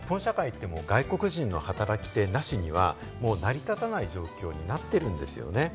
日本社会って外国人の働き手なしには成り立たない状況になっているんですよね。